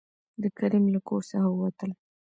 د کريم له کور څخه ووتل.